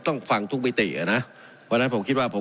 ต้องฟังทุกมิติอ่ะนะเพราะฉะนั้นผมคิดว่าผม